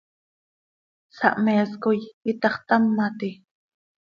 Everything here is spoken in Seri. ¿Sahmees coi itaxtámati?